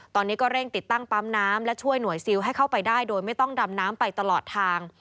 ตอนนี้ก็เร่งติดตั้งปั๊มน้ำและช่วยหน่วยซิลให้เข้าไปได้โดยไม่ต้องดำน้ำไปตลอดทาง